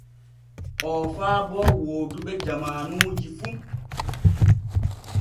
Oo faabo wooduɓe jamaanuji fu.